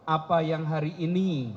apa yang hari ini